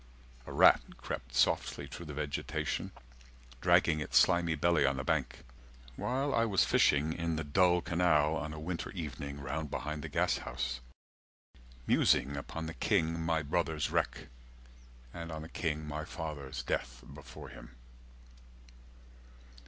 A rat crept softly through the vegetation Dragging its slimy belly on the bank While I was fishing in the dull canal On a winter evening round behind the gashouse 190 Musing upon the king my brother's wreck And on the king my father's death before him.